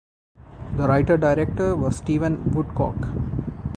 The writer-director was Steven Woodcock.